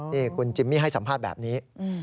นี่คุณจิมมี่ให้สัมภาษณ์แบบนี้